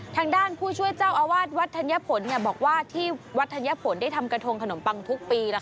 ทางด้านผู้ช่วยเจ้าอาวาสวัดธรรยภนเนี้ยบอกว่าที่วัดธรรยภนได้ทำกระทงขนมปังทุกปีแล้วค่ะ